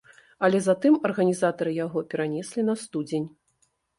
Але затым арганізатары яго перанеслі на студзень.